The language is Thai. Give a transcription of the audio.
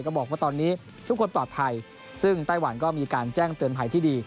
บอกว่าตอนนี้ทุกคนปลอดภัยซึ่งไต้หวันก็มีการแจ้งเตือนภัยที่ดี